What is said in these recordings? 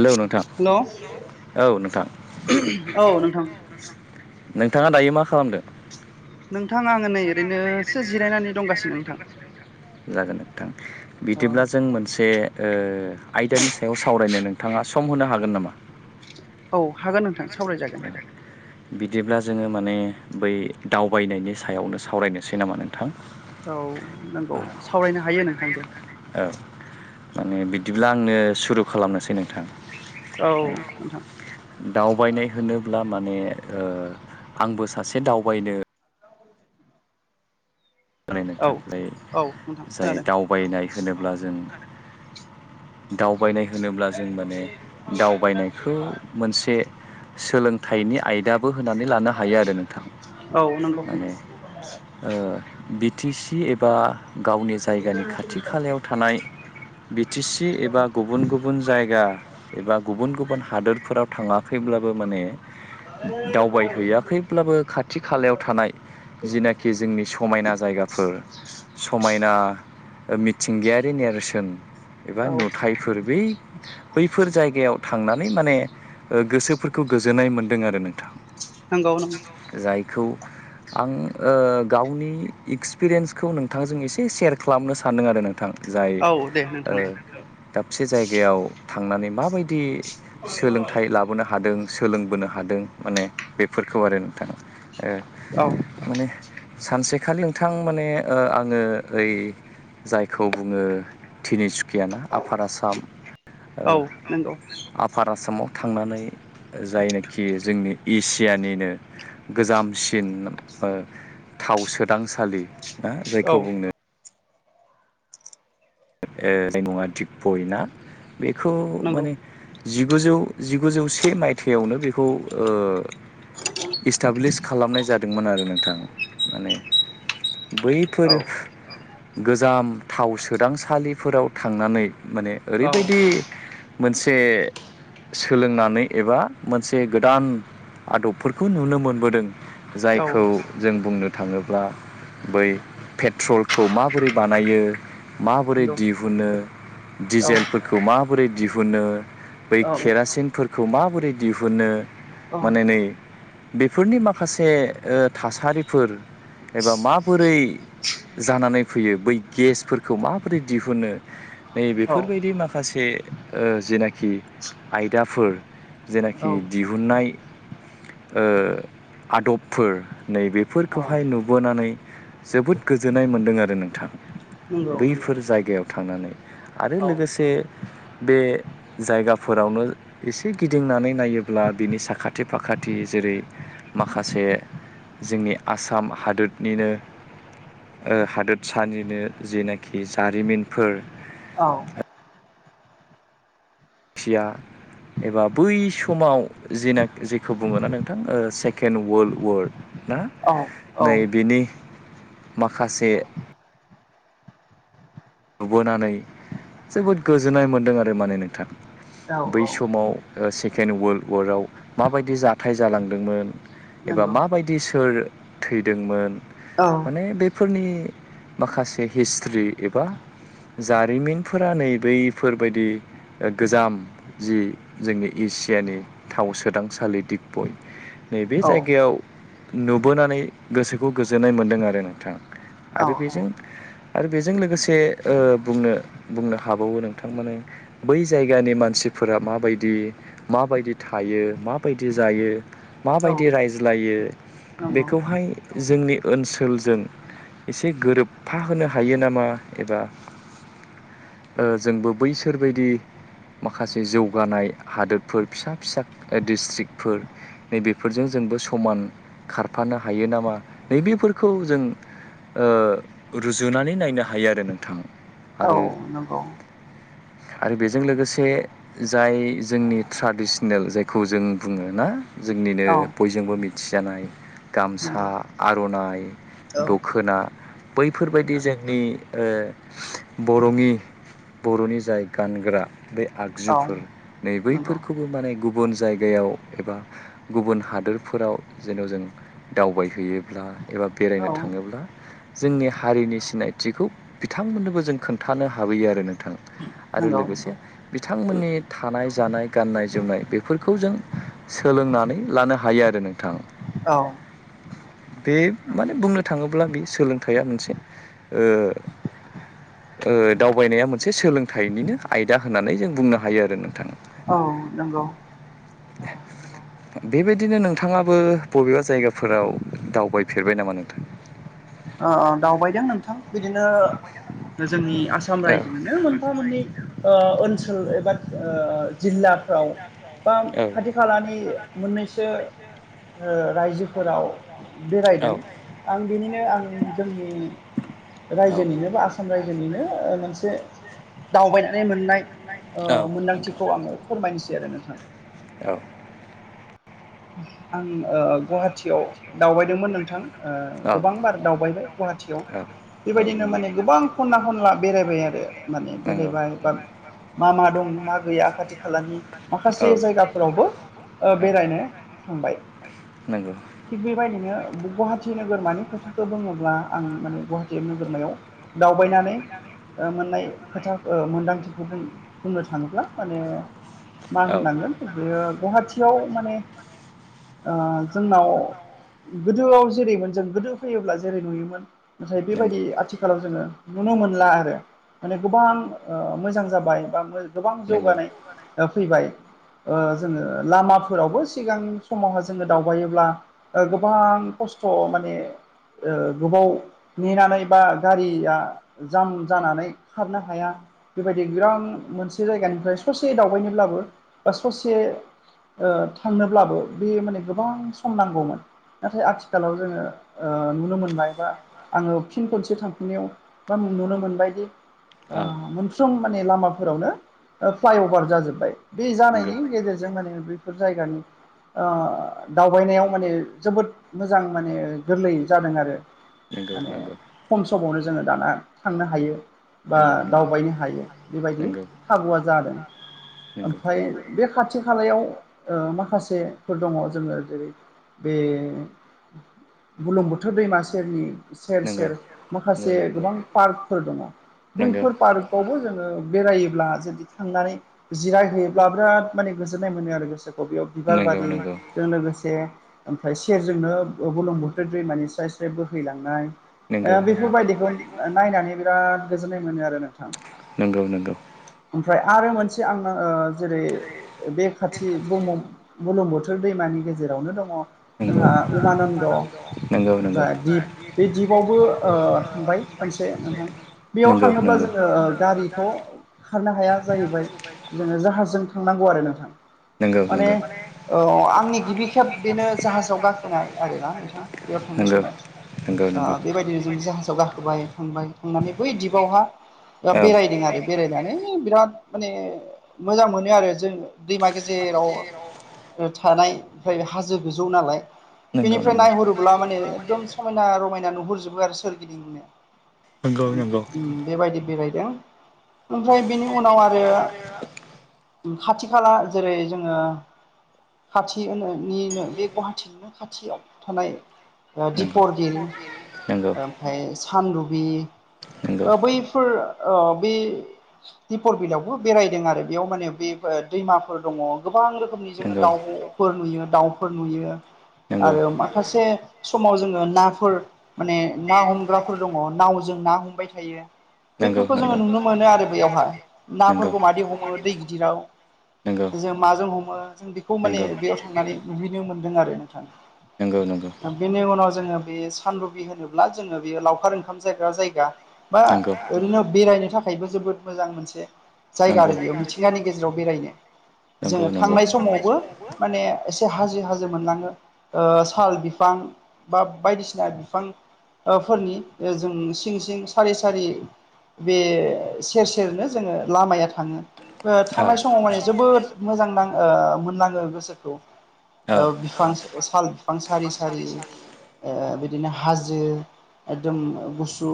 Hello नोंथां hello औ नोंथां औ नोंथां नोंथाङा दायो मा खालामदों नोंथां आङो नै ओरैनोसो जिरायनानै दंगासिनो नोंथां जागोन नोंथां औ बिदिब्ला जों मोनसे आयदानि सायाव सावरायनो नों नोंथाङा सम होनो हागोन नामा? औ हागोन नोंथां सावरायजागोन। बिदिब्ला जोङो माने बै दावबायनायनि सायावनो सावरायनोसै नामा नोंथां? औ नंगौ सावरायनो हायो नोंथां दे। औ माने बिदिब्ला आंनो सुरु खालामनोसै औ नोंथां नोंथां दावबायनाय होनोब्ला माने ओ आंबो सासे दावबायनो माने औ नोंथां औ नोंथां जाय खोनादों दावबायनाय होनोब्ला जों दाउ दावबायनाय होनोब्ला जों माने दावबायनायखौ मोनसे सोलोंथाइनि आयदाबो होनानै लानो हायो आरो नोंथां औ नंगौ माने नोंथां ओ बि टि सि एबा गावनि जायगानि खाथि खालायाव थानाय बि टि सि एबा गुबुन गुबुन जायगा एबा गुबुन गुबुन हादोरफोराव थाङाखैमोन मोनब्लाबो माने दावबायहैयाखैब्लाबो खाथि खालायाव थानाय जिनाखि जोंनि समायना जायगाफोर समायना मिथिंगायारि नेरसोन एबा औ नुथायफोर बै बैफोर जायगायाव थांनानै माने गोसोफोरखौ गोजोननाय मोनदों आरो नोंथां नंगौ ओं खौ आं ओ गावनि इक्सपिरियेन्सखौ नोंथांजों एसे सेयार खालामनो सानदों आरो नों जाय औ दे ओ नोंथां दाबसे से जायगायाव थांनानै माबायदि सोलोंथाइ लाबोनो हादों सोलोंबोनो हादों माने बेफोरखौ आरो नोंथां ओ औ माने सानसे नोंथां माने ओ आङो ओइ जायखौ बुंङो तिनिसु कियाना आफार आसाम औ नंगौ आफार ओ आसामाव थांनानै जायनोखि जोंनि एसियानिनो गोजामसिन ओ थाव सोदांसालि ना जायखौ औ बुङो ओ जायनि मुङा दिपच ना बेखौ नंगौ माने जिगुजौ जिगुजौ से मायथाइयावनो बेखौ इस्टाब्लिस खालामनाय जादोंमोन आरो नोंथां माने औ बैफोर गोजाम थाव सोदांसालिफोराव थांनानै माने ओरैबायदि औ मोनसे सोलोंनानै एबा मोनसे गोदान आदबफोरखौ नुनो मोनबोदों औ जायखौ जों बुंनो थाङोब्ला बै पेट्रलखौ माबोरै बानायो माबोरै नंगौ दिहुनो औ दिजेलफोरखौ माबोरै दिहुनो बै औ केरासिनफोरखौ माबोरै दिहुनो औ माने नै बेफोरनि माखासे ओ थासारिफोर एबा माबोरै जानानै फैयो बै गेसफोरखौ माबोरै दिहुनो नै औ बेफोरबायदि माखासे ओ जेनाखि आयदाफोर जेनाखि दिहुननाय ओ आदबफोर नैबेफोरखौहाय नुबोनानै जोबोद गोजोननाय मोन्दों आरो नोंथां नंगौ [inaudible] बेफोर जायगायाव थांनानै आरो औ लोगोसे बे जायगाफोरावनो एसे गिदिंनानै नायोब्ला बिनि साखाथि फाखाथि जों जेरै माखासे जोंनि आसाम हादोदनिनो हादोरसानिनो जेनाखि जारिमिनफोर औ एसिया एबा बै समाव जना जेखौ बुङोना नोंथां सेकेणड वर्ल्ड वार्ड ना औ नै बिनि माखासे नुबोनानै जोबोद गोजोननाय मोन्दों आरो माने नोंथां। बै औ औ समाव सेकेणड वर्ल्ड वाराव माबायदि जाथाय जालांदोंमोन एबा नंगौ माबायदि सोर थैदोंमोन औ माने बे फोरनि माखासे हिस्ट्रि एबा जारिमिनफोरा नै बैफोरबायदि गोजाम जि जोंनि एसियानि थाव सोदांसालि दिगबय नैबे जायगायाव नुबोनानै गोसोखौ गोजोननाय मोन्दों आरो नोंथां औ आरो बेजों आरो बेजों लोगोसे ओ बुंनो बुंनो हाबावो नोंथांमोन बै जायगानि मानसिफोरा माबायदि माबायदि थायो माबायदि जायो। औ माबायदि रायज्लायो नंगौ बेखौहाय जोंनि ओनसोलजों एसे गोरोबफा होनो हायो नामा एबा जोंबो बैसोरबायदि माखासे जौगानाय हादोरफोर फिसा फिसा डिस्ट्रिक्फोर नै बेफोरजों जोंबो समान खारफानो हायो नामा नैबेफोरखौ जों ओ रुजुनानै नायनो हायो आरो नोंथाङा औ नंगौ। आरो बेजों लोगोसे जाय जोंनि ट्राडिसनेल जायखौ जों बुङो ना जोंनिनो औ नंगौ औ बयजोंबो मिथिजानाय गामसा नंगौ आर'नाइ दखना बैफोरबायदि जोंनि ओ बर'नि बर'नि जाय गानग्रा बे औ आगजुफोर नै नंगौ बैफोरखौबो माने गुबुन गुबुन जायगायाव एबा गुबुन हादोरफोराव जेन' जों दावबायहैयोब्ला एबा बेरायनो थाङोब्ला जोंनि हारिनि सिनायथिखौ बिथांमोननोबो जों खोन्थानो हाबोयो आरो नोंथां आरो लोगोसे बिथांमोननि थानाय जानाय गाननाय जोमनाय बेफोरखौ जों सोलोंनानै लानो हायो आरो नोंथां औ बे माने बुंनो थाङोब्ला बे सोलोंथाइया मोनसे ओ [inaudible] ओ दावबायनाया मोनसे सोलोंथाइनिनो आयदा होननानै जों बुंनो हायो आरो नोंथाङा नोंगौ [inaudible] बेबायदिनो नोंथाङाबो बबेबा जायगाफोराव दावबायफेरबाय नामा नोंथां? [inaudible] ओ दावबायदों नोंथां बिदिनो जोंनि आसाम औ रायजोनिनो मोनफा मोननै ओ ओनसोल एबा ओ जिल्लाफ्राव बा खाथि खालानि मोननैसो ओ रायजोफोराव औ बेरायदों आं बिनिनो आं जोंनि औ रायजोनिनो बा आसाम रायजोनिनो मोनसे दावबायनानै मोननाय ओ औ नोंथां मोनदांथिखौ आङो फोरमायनोसै सै आरो नोंथां औ आं ओ गुवाहाटीयाव दावबायदोंमोन नोंथां ओ गोबां बार दावबायबाय गुवाहाटियाव औ औ बेबायदिनो नंगौ माने गोबां ख'ना ख'नला बेरायबाय आरो माने नंगौ बेरायबाय बा मा मा दं मा गैया खाथि खालानि औ औ माखासे जायगाफोरावबो ओ बेरायनो थांबाय नंगौ थिग बेबायदिनो गुवाहाटि नोगोरमानि खोथाखौ बुङोब्ला आं माने गुवाहाटि नोगोरमायाव दावबायनानै ओ मोननाय खोथा ओ मोन्दांथिखौ बुंनो थाङोब्ला माने मा औ होननांगोन बेयो गुवाहाटियाव माने ओ जोंनाव गोदोआव जेरैमोन जों गोदो फैयोब्ला जेरै नुयोमोन नाथाय नंगौ बेबायदि आथिखालाव जोङो नुनो मोन ला आरो माने गोबां ओ मोजां जाबाय बा गोबां नंगौ जौगानाय फैबाय ओ जोङो लामाफोरावबो सिगां समावहाय जोङो दावबायोब्ला गोबां खस्थ' माने ओ गोबाव नेनानै बा गारिया जाम जानानै खारनो हाया बेबायदि बिरां मोनसे से जायगानिफ्राय ससे दावबायनोब्लाबो बा ससे ओ थांनोब्लाबो बे माने गोबां सम नांगौमोन नाथाय आथिखालाव जोङो ओ नुनो मोनबाय बा आङो फिन खनसे थांफिनायाव बा जों नुनो मोनबायदि ओ औ मोनफ्रोम माने लामाफोरावनो ओ फ्लाइअभार जाजोबबाय बे नंगौ जानायनि गेजेरजों माने बैफोर जायगानि ओ दावबायनायाव माने जोबोद मोजां माने गोरलै जादों आरो नंगौ माने नंगौ खम समावनो जोङो दाना थांनो हायो बा नंगौ नंगौ दावबायनो हायो बेबायदि नंगौ खाबुआ जादों नंगौ ओमफ्राय बे खाथि खालायाव ओ माखासे फोर दङ जोङो जेरै बे बुरलुंबुथुर दैमा सेरनि सेर नंगौ सेर नंगौ माखासे गोबां पार्कफोर दङ नंगौ बैफोर पार्कआवबो जोङो बेरायोब्ला जुदि थांनानै जिरायहोयोब्ला बिराद माने गोजोन्नाय मोनो आरो गोसोखौ बेयाव नंगौ बिबार नंगौ बारि जों लोगोसे ओमफ्राय सेरजोंनो बुरलुंबुथुर दैमानि स्राय स्राय बोहैलांनाय नंगौ नंगौ बेफोरबायदिखौ नायनानै बिराद गोजोननाय मोनो आरो नो नंगौ नंगौ आरो मोनसे आङो ओ जेरै बे खाथि ब्रह्म बुरलुंबु थुर दैमानि गेजेरावनो दङ जोंहा उमानन्द जा दिप बे दिपआवबो ओ थांबाय खनसे नोंथां बेयाव थाङोब्ला जोङो गारिथ' खारनो हाया जाहैबाय जोङो जाहाजजों थांनांगौ आरो नोंथां नंगौ नंगौ माने औ आंनि गिबि खेब बेनो जाहाजाव गाखोनाय आरोना नोंथां बेयाव थांनाय समाव नंगौ ओ नंगौ बेबायदिनो जों जाहाजाव गाखोबाय थांबाय थांनानै बै दिपावहा ओ बेरायदों आरो बेरायनानै औ बिराद माने मोजां मोनो आरो जों दैमा गेजेराव थानाय ओमफ्राय हाजो गोजौ नालाय बेनिफ्राय नायहरोब्ला माने एकदम समायना रमायना नुहुरजोब बो आरो सोरगिदिंनो नंगौ नंगौ बेबायदि बेरायदों ओमफ्राय बेनि उनाव आरो खाथि खाला जेरै जोङो खाथि होननिनो बे गुवाहाटिनिनो खाथियाव थानाय दिपर बिल नंगौ ओमफाय सानदुबि नंगौ बैफोर ओ बै दिपर बिलयावबो बेरायदों आरो बेयाव माने बे दैमाफोर दङ। गोबां रोखोमनि जोङो दाउब'फोर नुयो दाउफोर नुयो। दाउफोर नुयो आरो माखासे समाव जोङो नाफोर माने ना हमग्राफोर दङ नावजों ना हमबाय थायो बेफोरखौ जोङो नुनो मोनो आरो बेयावहाय नाफोरखौ मादै हमो दै गिदिराव बेखौ माने बेयाव जों माजों हमो जों बिखौ बेयाव थांनानै नुहैनो मोनदों आरो गुरहैनो मोनदों आरो नोंथां बेनि उनाव जोङो बे सानदुबि होनोब्ला जोङो बेयो लावखार ओंखाम जाग्रा जायगा बा नंगौ ओरैनो बेरायनो था खायबो जोबोद मोजां मोनसे जायगा नंगौ आरो बेयाव मिथिंगानि गेजेराव बेरायनो नंगौ जोङो थांनाय समावबो माने हाजो हाजो मोनलाङो साल बिफां बा बायदिसिना बिफां फोरनि जों सिं सिं सारि सारि बे सेर सेरनो जोङो लामाया थाङो थांनाय समाव माने जोबोद मोजां नां नाङो गोसोखौ मोन नाङो। ओ औ बिफां साल बिफां सारि सारि बि दिनो हाजो एकदम गु सु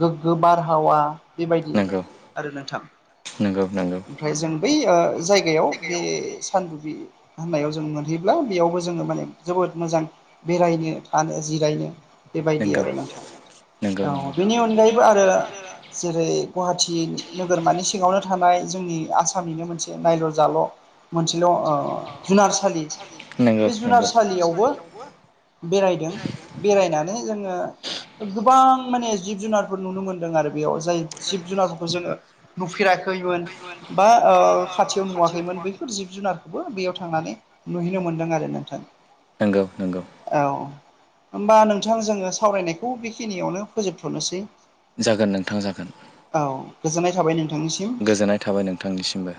गोग्गो बारहावा बेबायदि नंगौ आरो नोंथां नंगौ नंगौ ओमफ्राय जों बै जायगायाव बे सानदुबि होननायाव जों मोनहैब्ला बेयावबो जोङो माने जोबोद मोजां बेरायनो थानो जिराय नो बेबायदि आरो नोंथां नोंगौ औ नंगौ बेनि अनगायैबो आरो [inaudible] जेरै गुवाहाटि नोगोरमानि सिगावनो थानाय जोंनि आ सामनिनो मोनसे नायल' जाल' मोनसेल' जुनारसालि नंगौ बे नंगौ जुनारसालियावबो बेरायदों बेरायनानै जोङो गोबां माने जिब जुनारफोर नुनो मोनदों आरो बेयाव जाय जिब जुनारफोरखौ जोङो नुफेराखैमोन बा खाथियाव नुवाखैमोन बै जिब जुनारखौबो बेयाव थांनानै नुहैनो मोन्दों आरो नोंथां नंगौ नंगौ औ होमबा नोंथां जोङो सावरायनायखौ बेखिनियावनो फोजोबथ'नोसै जागोन नोंथां जागोन औ गोजोननाय थाबाय नों गोजोननाय थाबाय नोंथांनिसिमबो